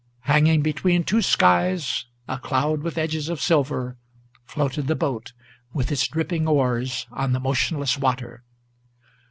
Hanging between two skies, a cloud with edges of silver, Floated the boat, with its dripping oars, on the motionless water.